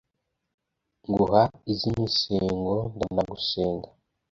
nguha iz' imisengo ndanagusenga